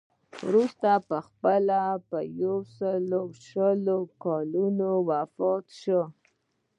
وروسته خپله په سلو شل کلنۍ کې وفات شو.